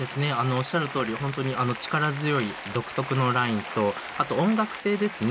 おっしゃるとおりほんとに力強い独特のラインとあと音楽性ですね